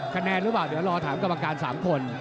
คะแนนรู้หรือเปล่าเดี๋ยวรอถามกำลังการสามคน